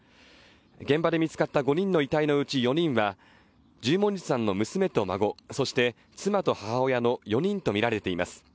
現場で見つかった５人の遺体のうち４人は十文字さんの娘と孫、そして妻と母親の４人とみられています。